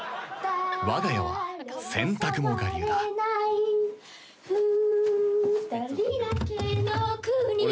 わが家は洗濯も我流だ「二人だけの国」